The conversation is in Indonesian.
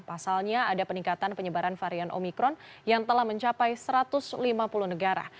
pasalnya ada peningkatan penyebaran varian omikron yang telah mencapai satu ratus lima puluh negara